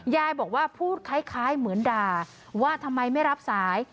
ยายบอกว่าพูดคล้ายเหมือนด่าว่าทำไมไม่รับสาย